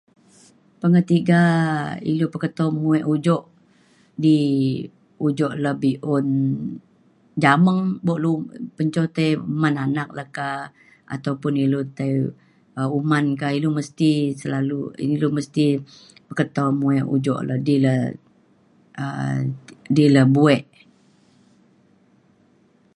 pengetiga ilu peketo muek ujok di ujok le be'un jameng bok lu penco tei man anak le ka ataupun ilu tai uman ka ilu mesti selalu ilu mesti peketo muek ujok le di le um di le buek